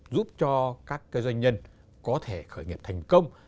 giúp cho các doanh nhân có thể khởi nghiệp thành công